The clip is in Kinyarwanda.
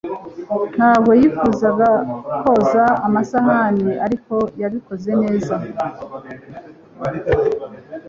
ntabwo yifuzaga koza amasahani, ariko yabikoze neza